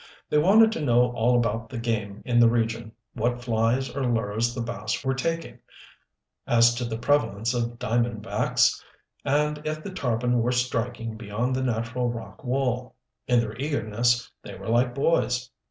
They wanted to know all about the game in the region, what flies or lures the bass were taking, as to the prevalence of diamond backs, and if the tarpon were striking beyond the natural rock wall. In their eagerness they were like boys.